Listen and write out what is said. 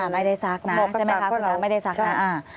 ไม่ได้ซักนะใช่ไหมคะคุณน้องไม่ได้ซักนะ